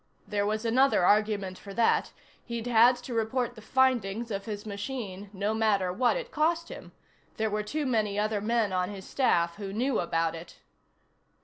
There was another argument for that: he'd had to report the findings of his machine no matter what it cost him; there were too many other men on his staff who knew about it.